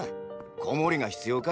子守が必要か？